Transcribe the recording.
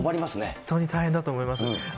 本当に大変だと思います。